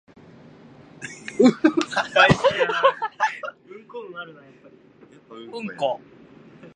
うんこ